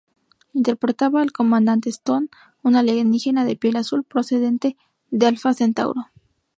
Interpretaba al Comandante Stone, un alienígena de piel azul procedente de Alfa Centauro.